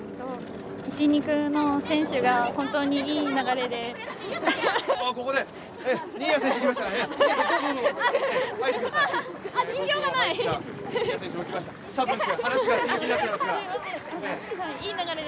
１・２区選手が本当にいい流れで。